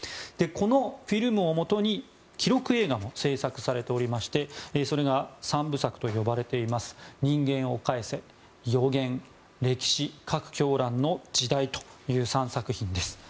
このフィルムをもとに記録映画も制作されておりましてそれが３部作と呼ばれています「にんげんをかえせ」、「予言」「歴史＝核狂乱の時代」という３作品です。